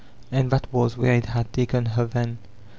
And that was where it had taken her then.